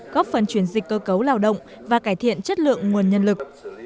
góp phần chuyển dịch cơ cấu lao động và cải thiện chất lượng nguồn nhân lực